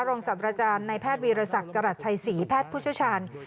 รองศัพท์ราชาญในแพทย์วีรศักดิ์จรัฐชัยศรีแพทย์พุทธชาญ